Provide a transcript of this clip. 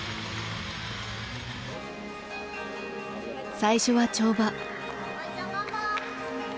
最初は跳馬。